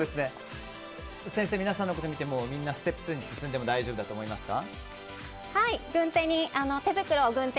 先生、皆さんのものを見てもステップ２に進んで大丈夫だと思いますか？